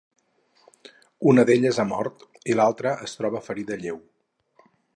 Una d'elles ha mort i l'altre es troba ferida lleu.